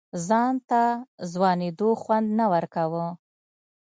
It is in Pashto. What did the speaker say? ځان ته ځوانېدو خوند نه ورکوه.